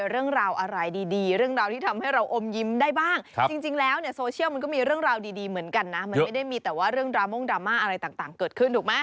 เรื่องราวอะไรดีเรื่องราวที่ทำให้เราอมยิ้มได้บ้างจริงแล้วเนี่ยโซเชียลมันก็มีเรื่องราวดีเหมือนกันนะมันไม่ได้มีแต่ว่าเรื่องดราม่งดราม่าอะไรต่างเกิดขึ้นถูกไหม